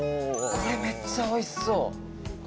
これめっちゃおいしそう。